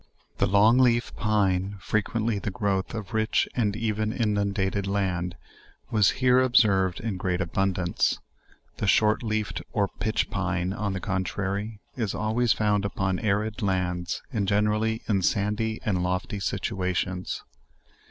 The long leaf pine, frequently the growth of rich and even inundated land, was here observed in great abundance: the short leafed or pitch pine, on the dontrary, is always found upon arid lands and generally in sandy and lofty situations.